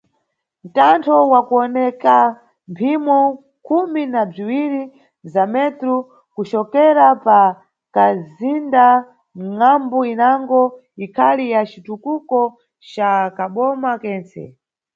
Mthanto wa kuwoneka mphimo khumi na bziwiri za metru kucokera pa kamzinda, ngʼambu inango, ikhali ya citutuko ca kaboma kentse.